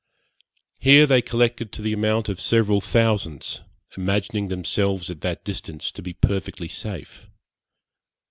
Here they collected to the amount of several thousands, imagining themselves at that distance to be perfectly safe.